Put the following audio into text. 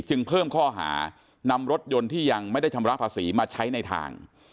จึงเพิ่มข้อหานำรถยนต์ที่ยังไม่ได้ชำระภาษีมาใช้ในทาง